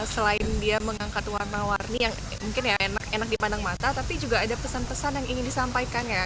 selain dia mengangkat warna warni yang mungkin ya enak dipandang mata tapi juga ada pesan pesan yang ingin disampaikan ya